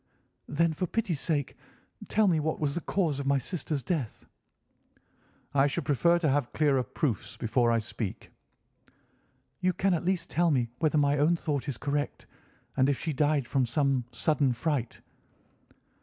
"Then, for pity's sake, tell me what was the cause of my sister's death." "I should prefer to have clearer proofs before I speak." "You can at least tell me whether my own thought is correct, and if she died from some sudden fright."